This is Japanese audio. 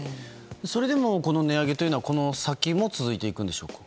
それでも値上げはこの先も続いていくんでしょうか。